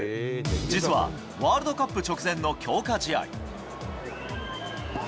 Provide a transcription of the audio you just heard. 実はワールドカップ直前の強化試合。